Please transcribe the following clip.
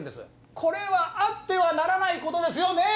これはあってはならないことですよねぇ